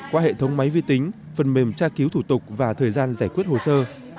qua hệ thống máy vi tính phần mềm tra cứu thủ tục và thời gian giải quyết hồ sơ